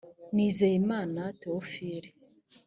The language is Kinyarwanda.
nizeyimana theophile